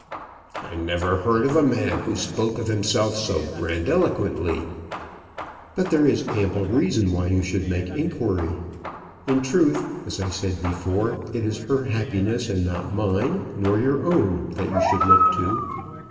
"I never heard of a man who spoke of himself so grandiloquently!" "But there is ample reason why you should make inquiry. In truth, as I said before, it is her happiness and not mine nor your own that you should look to.